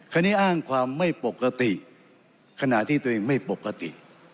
อ้างความไม่ปกติขณะที่ตัวเองไม่ปกติ